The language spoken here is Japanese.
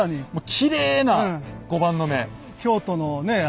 きれいな碁盤の目。